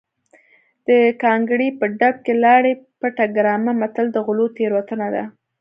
د ګانګړې په ډب کې لاړې بټه ګرامه متل د غلو تېروتنه ده